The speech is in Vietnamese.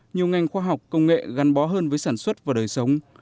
nhiều ngành khoa học công nghệ gắn bó hơn với sản xuất và đời sống